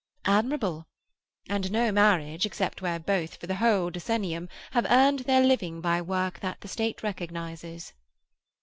"Admirable. And no marriage, except where both, for the whole decennium, have earned their living by work that the State recognizes."